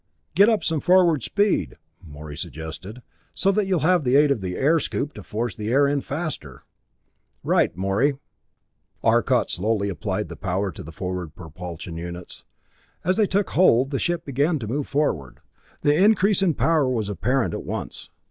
"Get up some forward speed," Morey suggested, "so that you'll have the aid of the air scoop to force the air in faster." "Right, Morey." Arcot slowly applied the power to the forward propulsion units. As they took hold, the ship began to move forward. The increase in power was apparent at once.